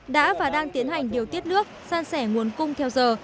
đã và đang tiến hành điều tiết nước san sẻ nguồn cung theo giờ